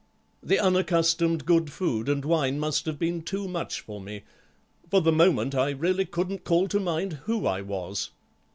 The unaccustomed good food and wine must have been too much for me; for the moment I really couldn't call to mind who I was.